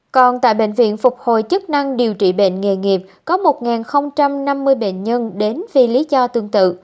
còn tại bệnh viện phục hồi chức năng điều trị bệnh nghề nghiệp có một năm mươi bệnh nhân đến vì lý do tương tự